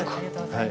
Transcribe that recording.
はい。